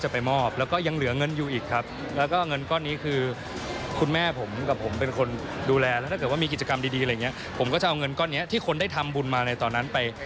ผมก็จะเอาเงินก่อนนี้ที่คนได้ทำบุญมาในตอนนั้นไป